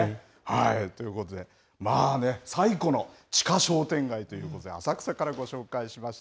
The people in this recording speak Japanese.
ということで最古の地下商店街ということで浅草からご紹介しました。